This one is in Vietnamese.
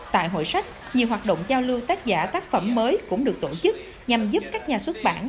tại hội sách nhiều hoạt động giao lưu tác giả tác phẩm mới cũng được tổ chức nhằm giúp các nhà xuất bản